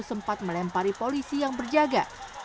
sempat melempari polisi yang berjaga